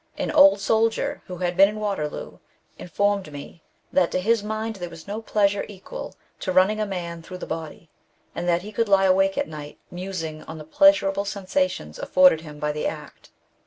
An old soldier, who had been in Waterloo, informed me that to his mind there was no pleasure equal to running a man through the body, and that he could lie awake at night musing on the pleasurable sen sations afforded him by that act.